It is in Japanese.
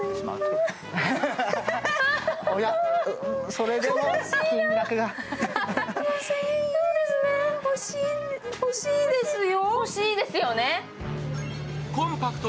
それでも金額が欲しいですよ。